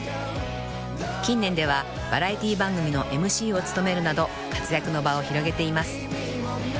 ［近年ではバラエティー番組のＭＣを務めるなど活躍の場を広げています］